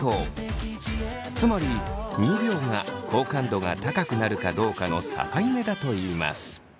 つまり２秒が好感度が高くなるかどうかの境目だといいます。